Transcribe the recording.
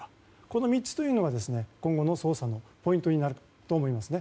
この３つというのが今後の捜査のポイントになると思います。